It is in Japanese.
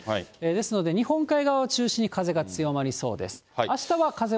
ですので日本海側を中心に風が強まりそうです。